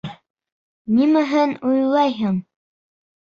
Нимәһен уйлайһың?